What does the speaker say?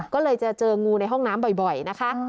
ก็เลยจะเจองูในห้องน้ำบ่อยนะคะ